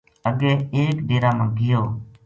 اگے ایک ڈیرا ما گیو